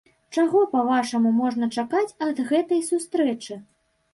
Чаго, па-вашаму, можна чакаць ад гэтай сустрэчы?